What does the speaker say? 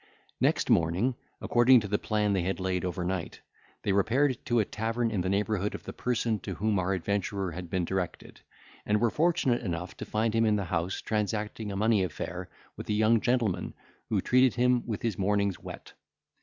Next morning, according to the plan they had laid overnight, they repaired to a tavern in the neighbourhood of the person to whom our adventurer had been directed, and were fortunate enough to find him in the house, transacting a money affair with a young gentleman who treated him with his morning's whet.